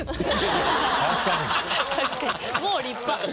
もう立派。